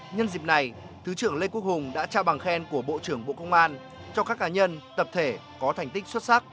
nhân dịp này thứ trưởng lê quốc hùng đã trao bằng khen của bộ trưởng bộ công an cho các cá nhân tập thể có thành tích xuất sắc